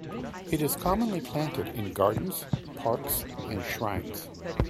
It is commonly planted in gardens, parks, and shrines.